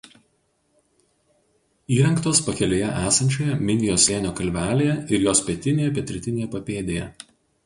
Įrengtos pakelėje esančioje Minijos slėnio kalvelėje ir jos pietinėje–pietrytinėje papėdėje.